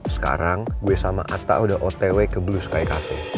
sekarang gue sama atta udah otw ke blue sky cafe